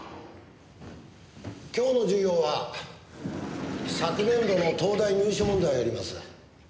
今日の授業は昨年度の東大入試問題をやります。